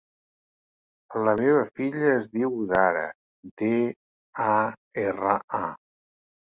La meva filla es diu Dara: de, a, erra, a.